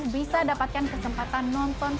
bisa dapatkan kesempatan nonton